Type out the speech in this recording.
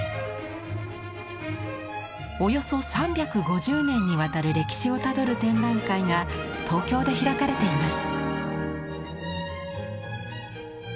およそ３５０年にわたる歴史をたどる展覧会が東京で開かれています。